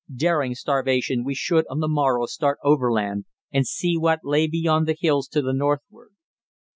Daring starvation, we should on the morrow start overland and see what lay beyond the hills to the northward.